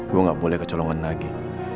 gue nggak boleh ke colongan lagi